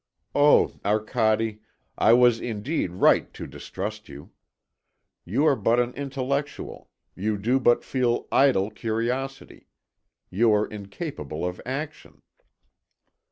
O Arcade! I was indeed right to distrust you. You are but an intellectual; you do but feel idle curiosity. You are incapable of action."